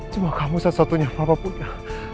cuma kamu satu satunya papa punya